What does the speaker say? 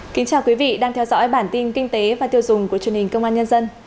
kính chào quý vị đang theo dõi bản tin kinh tế và tiêu dùng của truyền hình công an nhân dân